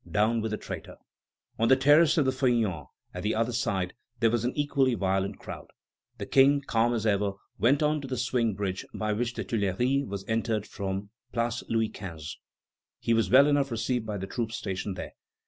Down with the traitor!" On the terrace of the Feuillants, at the other side, there was an equally violent crowd. The King, calm as ever, went on to the swing bridge by which the Tuileries was entered from Place Louis XV. He was well enough received by the troops stationed there.